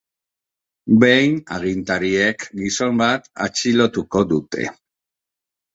Behin agintariek gizon bat atxilotuko dute.